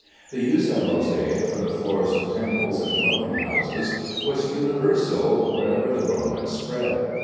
The use of mosaic for the floors of temples and dwelling houses was universal wherever the Romans spread.